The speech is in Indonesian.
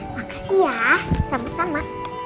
makasih ya sama sama